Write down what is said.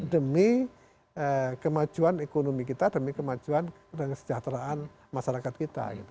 demi kemajuan ekonomi kita demi kemajuan dan kesejahteraan masyarakat kita